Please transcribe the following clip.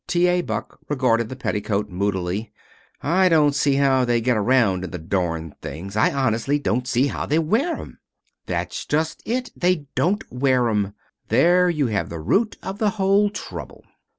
T. A. Buck regarded the petticoat moodily. "I don't see how they get around in the darned things. I honestly don't see how they wear 'em." "That's just it. They don't wear 'em. There you have the root of the whole trouble."